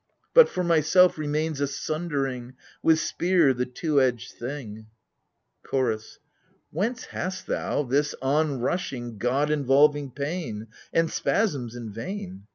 But for myself remains a sundering With spear, the two edged thing ! CHORDS. Whence hast thou this on rushing god involving pain And spasms in vain?